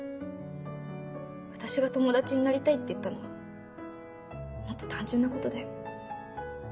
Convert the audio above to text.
私が友達になりたいって言ったのはもっと単純なことだよ。